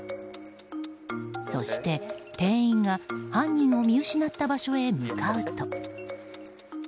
そして店員が犯人を見失った場所へ向かうと。